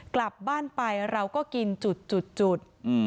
กลับบ้านไปเราก็กินจุด